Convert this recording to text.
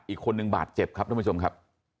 อีกคนนึงบาดเจ็บครับทุกผู้ชมครับ